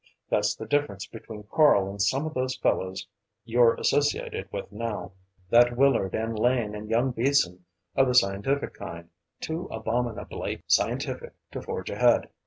That's the difference between Karl and some of those fellows you're associated with now. That Willard and Lane and young Beason are the scientific kind, too abominably scientific to forge ahead.